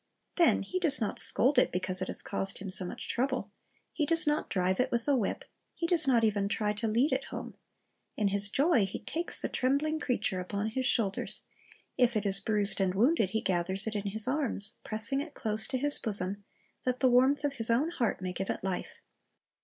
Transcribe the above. Then he does not scold it because it has caused him so much trouble. He (|oes not drive it with a whip. He does not even try to lead it home. In his joy he takes the trembling creature upon his shoulders; if it is bruised and wounded, he gathers 'c in his arms, pressing it close to his bosom, that the v armth of his own heart may give it life.